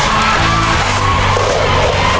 มาแล้ว๖